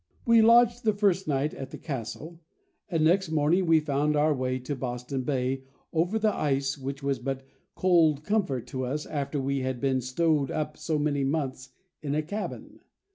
We lodged the first night at the Castle, and next morning we found our way to Boston Bay over the ice, which was but cold comfort to us after we had been stowed up so many months in a cabin.